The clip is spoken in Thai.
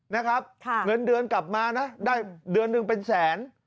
นะครับเงินเดือนกลับมานะได้เดือนหนึ่งเป็นแสน